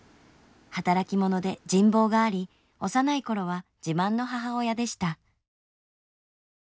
働き者で人望があり幼い頃は自慢の母親でした。